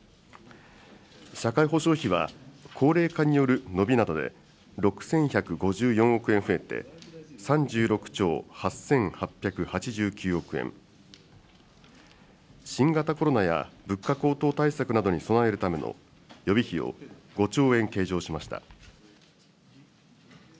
社会保障費は高齢化による伸びなどで６１５４億円増えて、３６兆８８８９億円、新型コロナや物価高騰対策などに備えるための予備費を、５兆円計上しました。